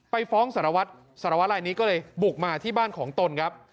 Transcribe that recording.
ไปฟ้องสารวัตรสารวัตลายนี้ก็เลยบุกมาที่บ้านของตนครับ